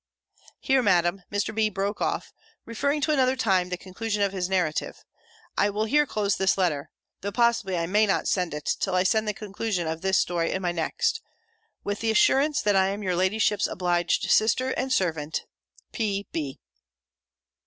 Here, Madam, Mr. B. broke off, referring to another time the conclusion of his narrative. I will here close this letter (though possibly I may not send it, till I send the conclusion of this story in my next,) with the assurance that I am your ladyship's obliged sister and servant, P.